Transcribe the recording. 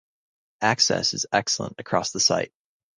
Access is excellent across the site.